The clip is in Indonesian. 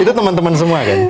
itu teman teman semua kan